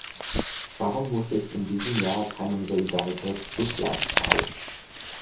Warum muss ich in diesem Jahr keinen Solidaritätszuschlag zahlen?